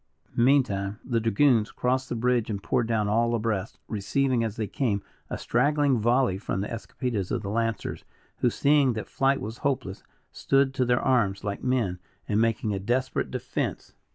Meantime, the dragoons crossed the bridge and poured down all abreast, receiving as they came, a straggling volley from the escopetas of the lancers, who seeing that flight was hopeless, stood to their arms like men, and making a desperate defense.